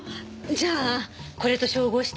じゃあこれと照合して。